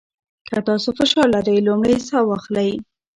که تاسو فشار لرئ، لومړی ساه واخلئ.